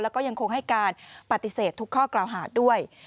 แล้วก็ยังคงให้การปฏิเสธทุกข้อกล่าวหาด้วย